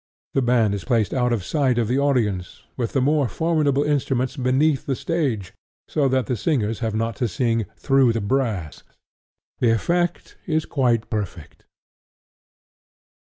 The band is placed out of sight of the audience, with the more formidable instruments beneath the stage, so that the singers have not to sing THROUGH the brass. The effect is quite perfect.